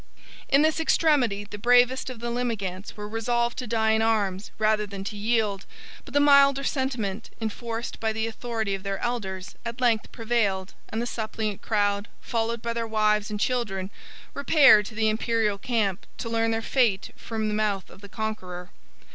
In this extremity, the bravest of the Limigantes were resolved to die in arms, rather than to yield: but the milder sentiment, enforced by the authority of their elders, at length prevailed; and the suppliant crowd, followed by their wives and children, repaired to the Imperial camp, to learn their fate from the mouth of the conqueror.